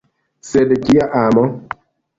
Sed kia amo?